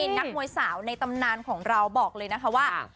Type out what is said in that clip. นักมวยสาวในตำนานของเราบอกเลยนะคะว่า